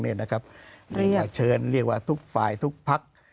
เรียกว่าเชิญเรียกว่าทุกฝ่ายทุกพัก